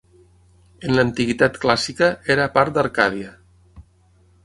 En l'antiguitat clàssica, era part d'Arcadia.